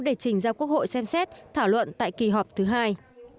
để trình ra quốc hội xem xét thảo luận tại kỳ họp thứ hai